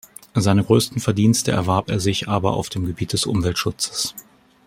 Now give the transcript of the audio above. Seine größten Verdienste erwarb er sich aber auf dem Gebiet des Umweltschutzes.